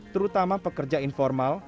terutama pekerja informal